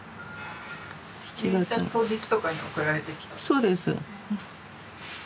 そうです。